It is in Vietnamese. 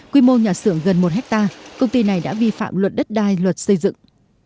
quy mô nhà xưởng gần một hectare công ty này đã vi phạm luật đất đai luật xây dựng